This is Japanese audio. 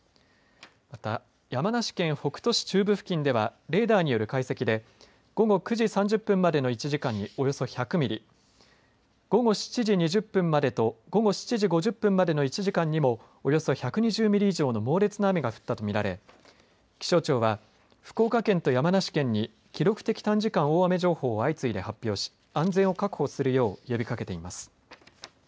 また、山梨県北杜市中部付近ではレーダーによる解析で午後９時３０分までの１時間におよそ１００ミリ午後７時２０分までと午後７時５０分までの１時間にもおよそ１２０ミリ以上の猛烈な雨が降ったと見られ気象庁は福岡県と山梨県に記録的短時間大雨情報を相次いで発表し安全を確保するよう呼びかけています。